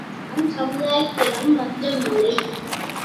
நம் சமுதாயத்திடம் வஞ்சம் இல்லை.